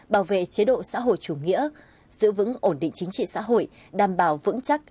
bảo vệ chế độ xã hội chủ nghĩa giữ vững ổn định chính trị xã hội đảm bảo vững chắc